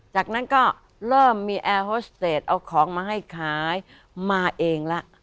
จากนั้นก็เริ่มมีแอร์โฮสเตจเอาของมาให้ขายมาเองละ